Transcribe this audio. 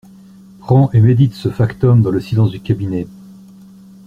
Prends et médite ce factum dans le silence du cabinet.